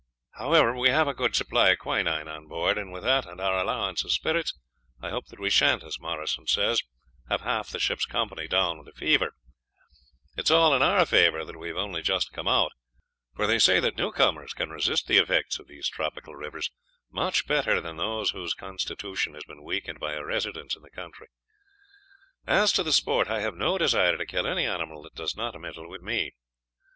However, we have a good supply of quinine on board, and with that and our allowance of spirits, I hope that we shan't, as Morrison says, have half the ship's company down with the fever. It is all in our favor that we have only just come out, for they say that newcomers can resist the effects of these tropical rivers much better than those whose constitution has been weakened by a residence in the country. As to the sport, I have no desire to kill any animal that does not meddle with me.